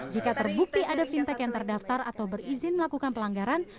jika terbukti ada fintech yang terdaftar atau berizin melakukan pelanggaran